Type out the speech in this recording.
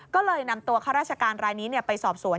ก็เลยนำตัวข้าราชการรายนี้ไปสอบสวน